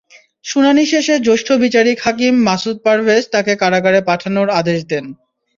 শুনানি শেষে জ্যেষ্ঠ বিচারিক হাকিম মাসুদ পারভেজ তাঁকে কারাগারে পাঠানোর আদেশ দেন।